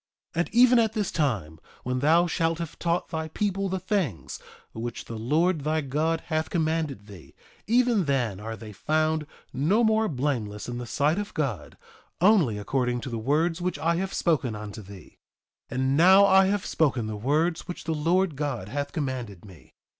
3:22 And even at this time, when thou shalt have taught thy people the things which the Lord thy God hath commanded thee, even then are they found no more blameless in the sight of God, only according to the words which I have spoken unto thee. 3:23 And now I have spoken the words which the Lord God hath commanded me.